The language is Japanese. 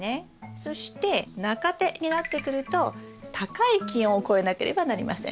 そして中生になってくると高い気温を越えなければなりません。